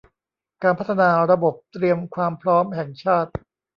การพัฒนาระบบเตรียมความพร้อมแห่งชาติ